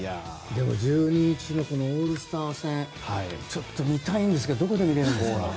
１２日のオールスター戦ちょっと見たいんですがどこで見れるんですか？